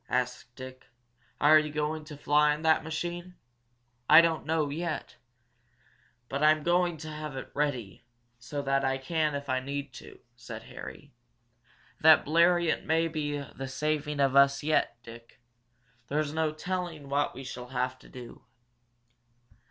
asked Dick. "Are you going to try to fly in that machine?" "I don't know, yet. But I'm going to have it ready, so that I can if I need to," said Harry. "That Bleriot maybe the saving of us yet, Dick. There's no telling what we shall have to do."